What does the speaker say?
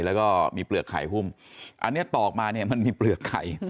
แล้วก็มีเปลือกไข่หุ้มอันนี้ตอกมาเนี่ยมันมีเปลือกไข่